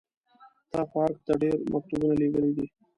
تا خو ارګ ته ډېر مکتوبونه لېږلي دي.